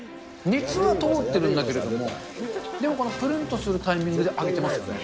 熱は通ってるんだけれども、でもこの、ぷるんとするタイミングで揚げてますよね。